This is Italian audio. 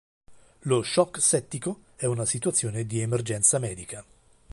Lo shock settico è una situazione di emergenza medica.